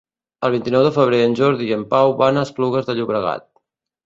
El vint-i-nou de febrer en Jordi i en Pau van a Esplugues de Llobregat.